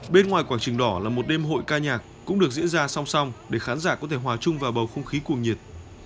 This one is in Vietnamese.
bên ngoài quảng trường đỏ là một đêm hội ca nhạc cũng được diễn ra song song để khán giả có thể hòa chung vào bầu không khí cuồng nhiệt